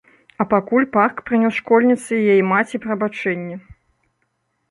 А пакуль парк прынёс школьніцы і яе маці прабачэнні.